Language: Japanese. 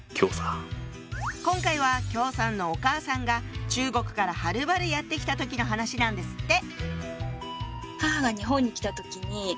今回は姜さんのお母さんが中国からはるばるやって来た時の話なんですって。